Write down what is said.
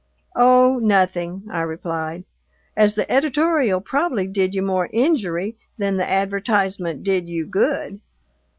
"Oh, nothing," I replied, "as the editorial probably did you more injury than the advertisement did you good."